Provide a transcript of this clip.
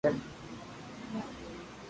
ھين ڪي وا لاگيا ڪي تو راجا رو ڪيڪر